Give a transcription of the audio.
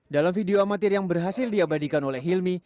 dalam video amatir yang berhasil diabadikan oleh hilmi